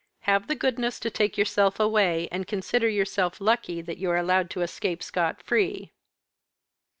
Have the goodness to take yourself away, and consider yourself lucky that you are allowed to escape scot free."